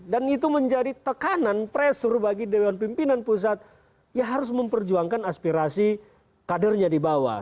dan itu menjadi tekanan presur bagi dewan pimpinan pusat ya harus memperjuangkan aspirasi kadernya di bawah